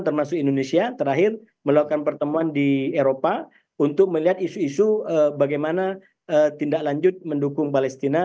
termasuk indonesia terakhir melakukan pertemuan di eropa untuk melihat isu isu bagaimana tindak lanjut mendukung palestina